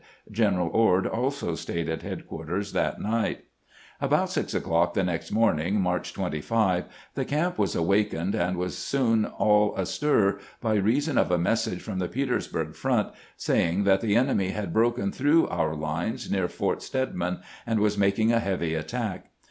General Ord also stayed at headquarters that night. 404 CAMPAIGNING WITH GRANT About six o'clock the next morning, Marcli 25, the camp was awakened and was soon all astir by reason of a message from the Petersburg front saying that the enemy had broken through our lines near Fort Stedman and was making a heavy attack.